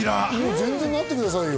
全然なってくださいよ。